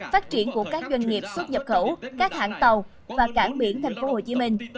phát triển của các doanh nghiệp xuất nhập khẩu các hãng tàu và cảng biển tp hcm